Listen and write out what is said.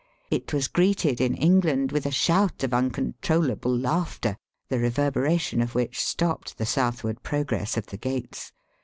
It was greeted in England with a shout of uncontrollable laughter, the reverberation of which stopped the southward progress of the gates.